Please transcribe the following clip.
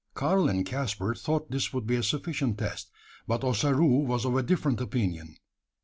Karl and Caspar thought this would be a sufficient test; but Ossaroo was of a different opinion.